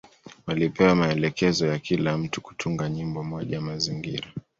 Walipewa maelekezo ya kila mtu kutunga nyimbo moja ya mazingira.